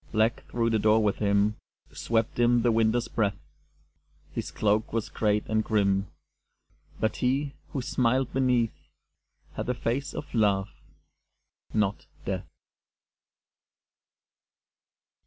_ Black through the door with him Swept in the Winter's breath; His cloak was great and grim But he, who smiled beneath, Had the face of Love not Death.